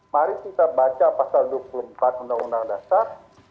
mari kita baca pasal dua puluh empat undang undang dasar